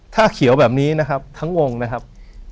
ถ้าเขียวแบบนี้นะครับทั้งวงนะครับ